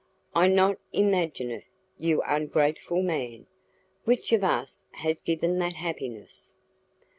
"I not imagine it, you ungrateful man! Which of us has given that happiness?"